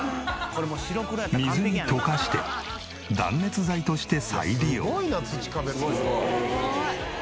水に溶かして断熱材として再利用。